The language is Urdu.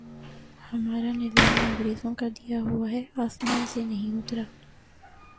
ہمارا نظام انگریزوں کا دیا ہوا ہے، آسمان سے نہیں اترا۔